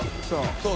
そう。